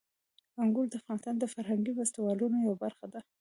انګور د افغانستان د فرهنګي فستیوالونو یوه برخه ده.